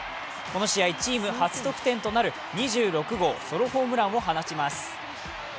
この試合チーム初得点となる２６号ソロホームランを放ちます。